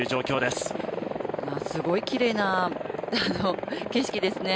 すごいきれいな景色ですね。